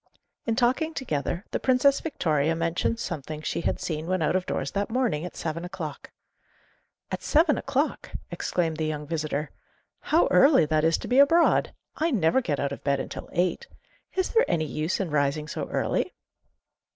In talking together, the Princess Victoria mentioned something she had seen when out of doors that morning at seven o'clock. 'At seven o'clock!' exclaimed the young visitor; 'how early that is to be abroad! I never get out of bed until eight. Is there any use in rising so early?